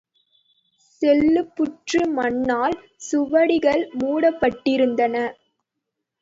செல்லுப் புற்று மண்ணால் சுவடிகள் மூடப்பட்டிருந்தன.